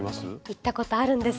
行ったことあるんです。